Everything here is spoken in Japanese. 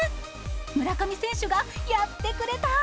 村上選手がやってくれたー！